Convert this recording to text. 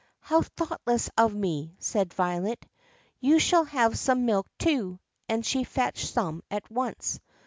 "How thoughtless of me!" said Violet. "You shall have some milk too," and she fetched some at once.